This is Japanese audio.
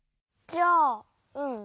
じゃあうん。